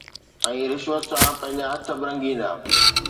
۽ رشوت سان پنهنجا هٿ به رنگيندا.